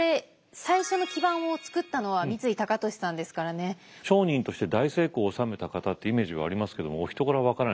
もうこれ商人として大成功を収めた方ってイメージはありますけどもお人柄は分からない。